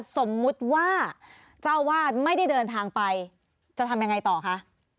สมมุติว่าเจ้าวาดไม่ได้เดินทางไปจะทำยังไงต่อคะ